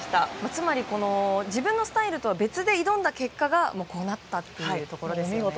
つまり自分のスタイルとは別で挑んだ結果がこうなったということですね。